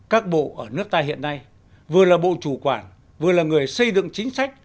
các bộ ở nước ta hiện nay vừa là bộ chủ quản vừa là người xây dựng chính sách